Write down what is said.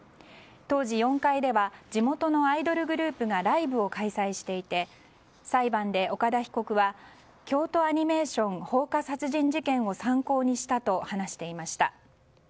当時４階では地元のアイドルグループがライブを開催していて裁判で岡田被告は京都アニメーション放火殺人事件を参考にしたと話していました。